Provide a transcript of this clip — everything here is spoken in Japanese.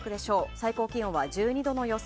最高気温は１２度の予想。